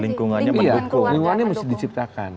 lingkungannya mendukung lingkungannya mesti diciptakan